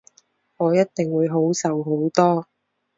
我一定會好受好多